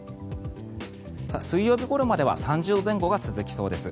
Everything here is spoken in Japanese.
水曜日ごろまでは３０度前後が続きそうです。